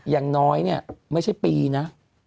อย่างน้อยเนี่ยไม่ใช่ปีนะ